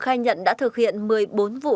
khai nhận đã thực hiện một mươi bốn vụ